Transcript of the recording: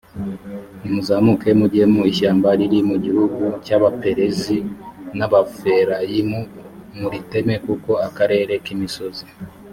nimuzamuke mujye mu ishyamba riri mu gihugu cy abaperizi n n abarefayimu o muriteme kuko akarere k imisozi